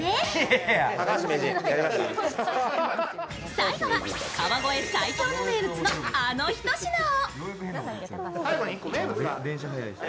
最後は川越最強の名物の、あの一品を。